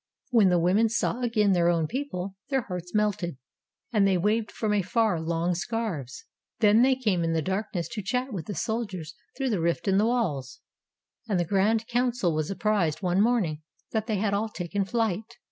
When the women saw again their own people, their hearts melted, and they waved from afar long scarves; then they came in the darkness to chat with the soldiers through the rift in the walls, and the Grand Council were apprised one morning that they had all taken flight.